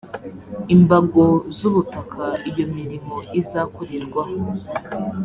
imbago z ubutaka iyo mirimo izakorerwaho